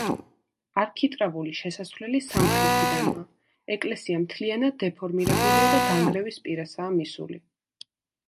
არქიტრავული შესასვლელი სამხრეთიდანაა, ეკლესია მთლიანად დეფორმირებულია და დანგრევის პირასაა მისული.